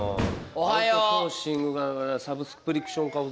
アウトソーシングがサブスクリプション化を。